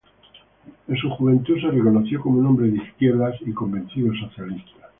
En su juventud se reconoció como un hombre de izquierda y convencido socialista.